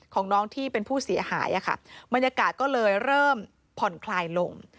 ของน้องที่เป็นผู้เสียหายบรรยากาศก็เลยเริ่มผ่อนคลายลง